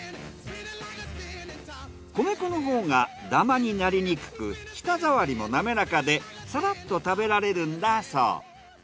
米粉のほうがダマになりにくく舌触りもなめらかでさらっと食べられるんだそう。